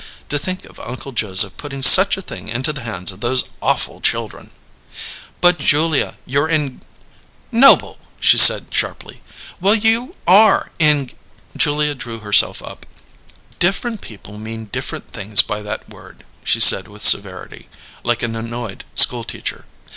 "To think of Uncle Joseph putting such a thing into the hands of those awful children!" "But, Julia, you're eng " "Noble!" she said sharply. "Well, you are eng " Julia drew herself up. "Different people mean different things by that word," she said with severity, like an annoyed school teacher.